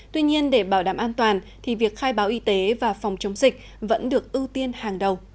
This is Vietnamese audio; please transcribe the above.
tuy nhiên để bảo đảm an toàn thì việc khai báo y tế và phòng chống dịch vẫn được ưu tiên hàng đầu